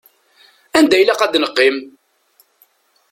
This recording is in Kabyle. Anda ilaq ad neqqim?